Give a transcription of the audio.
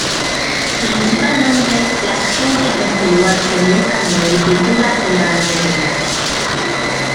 Principalmente, las gentes de este lugar se dedican a la agricultura y la ganadería.